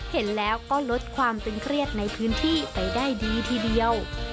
เห็นแล้วก็ลดความตึงเครียดในพื้นที่ไปได้ดีทีเดียว